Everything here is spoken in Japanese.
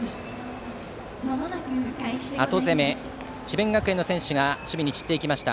後攻め、智弁学園の選手が守備に散っていきました。